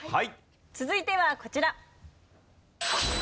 続いてはこちら。